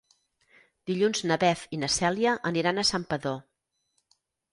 Dilluns na Beth i na Cèlia aniran a Santpedor.